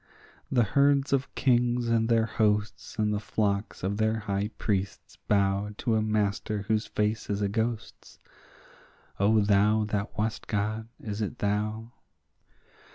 The herds of kings and their hosts and the flocks of the high priests bow To a master whose face is a ghost's; O thou that wast God, is it thou?